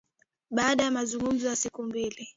baada ya mazungumzo ya siku mbili